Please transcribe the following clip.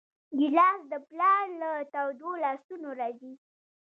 ګیلاس د پلار له تودو لاسونو راځي.